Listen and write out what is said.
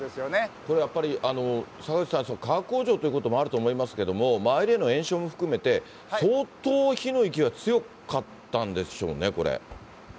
これやっぱり、坂口さん、化学工場ということもあると思いますけれども、周りへの延焼も含めて、相当火の勢いは強かったんでしょうね、これ。